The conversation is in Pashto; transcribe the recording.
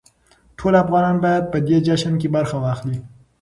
ټول افغانان بايد په دې جشن کې برخه واخلي.